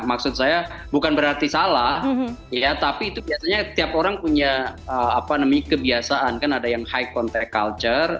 maksud saya bukan berarti salah ya tapi itu biasanya tiap orang punya kebiasaan kan ada yang high contact culture